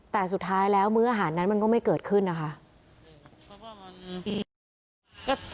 แต่สุดท้ายแล้วมื้ออาหารนั้นมันก็ไม่เกิดขึ้นนะคะ